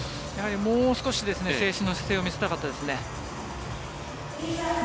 もう少し静止の姿勢を見せたかったですね。